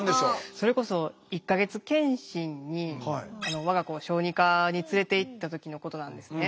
それこそ１か月検診に我が子を小児科に連れていった時のことなんですね。